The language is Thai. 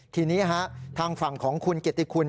ทีนี้ทางฝั่งของคุณเกียรติคุณ